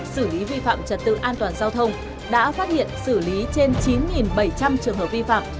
xử lý vi phạm trật tự an toàn giao thông đã phát hiện xử lý trên chín bảy trăm linh trường hợp vi phạm